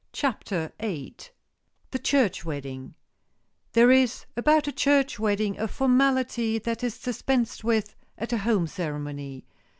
CHAPTER VIII THE CHURCH WEDDING THERE is about a church wedding a formality that is dispensed with at a home ceremony.